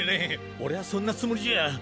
俺はそんなつもりじゃ。